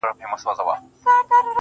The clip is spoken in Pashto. د ښکلا د دُنیا موري، د شرابو د خُم لوري~